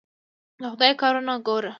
د خدای کارونه ګوره.